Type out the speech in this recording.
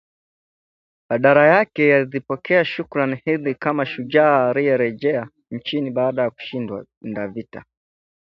badala yake alizipokea shukrani hizi kama shujaa aliyerejea nchini baada ya kushinda vita